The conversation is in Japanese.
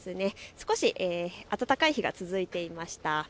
少し暖かい日が続いていました。